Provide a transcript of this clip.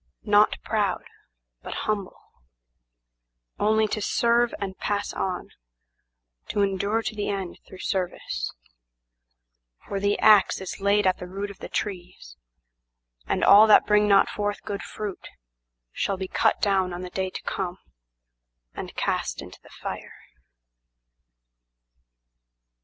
Not proud, but humble, Only to serve and pass on, to endure to the end through service; For the ax is laid at the root of the trees, and all that bring not forth good fruitShall be cut down on the day to come and cast into the fire.